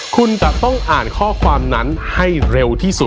คุณจะต้องอ่านข้อความนั้นให้เร็วที่สุด